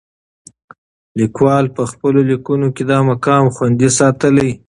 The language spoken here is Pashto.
لیکوال په خپلو لیکنو کې دا مقام خوندي ساتلی.